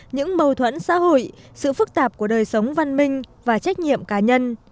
những mâu thuẫn xã hội sự phức tạp của đời sống văn minh và trách nhiệm cá nhân